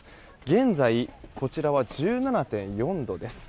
現在、こちらは１７．４度です。